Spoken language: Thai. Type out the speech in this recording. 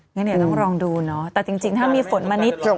งั้นเดี๋ยวต้องลองดูเนาะแต่จริงถ้ามีฝนมานิดหนึ่ง